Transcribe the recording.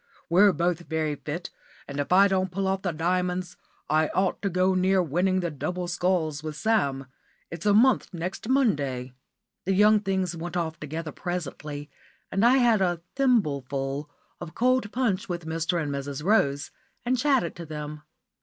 "We're both very fit, and if I don't pull off the 'Diamonds,' I ought to go near winning the 'double sculls' with Sam. It's a month next Monday." The young things went off together presently, and I had a thimbleful of cold punch with Mr. and Mrs. Rose, and chatted to them.